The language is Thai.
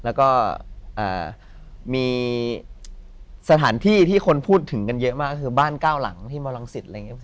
แล้วก็มีสถานที่ที่คนพูดถึงกันเยอะมากคือบ้านเก้าหลังที่มรังสิตอะไรอย่างนี้